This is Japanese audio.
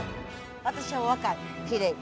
私は若い。